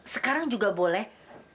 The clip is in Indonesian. sekarang juga boleh